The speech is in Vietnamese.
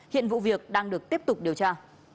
hiện vụ việc đang được tiếp tục điều tra